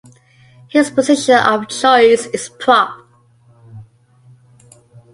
His position of choice is prop.